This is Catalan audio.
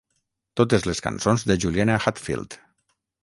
Totes les cançons de Juliana Hatfield.